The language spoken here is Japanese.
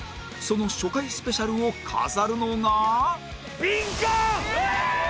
その初回スペシャルを飾るのが